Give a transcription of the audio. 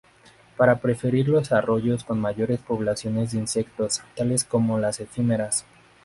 Parece preferir los arroyos con mayores poblaciones de insectos, tales como las efímeras.